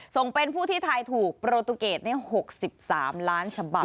ส่งเป็นผู้ที่ทายถูกโปรตูเกต๖๓ล้านฉบับ